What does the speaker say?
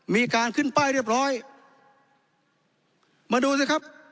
มีการขึ้นป้ายเรียบร้อยมาดูสิครับ